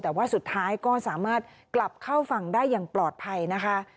แต่ว่าสุดท้ายก็สามารถกลับเข้าฝั่งได้อย่างปลอดภัยนะคะ